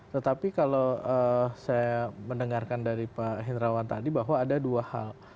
tetapi kalau saya mendengarkan dari pak hendrawan tadi bahwa ada dua hal